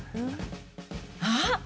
あっ！